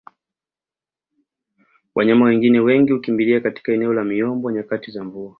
Wanyama wengine wengi hukimbilia katika eneo la miombo nyakati za mvua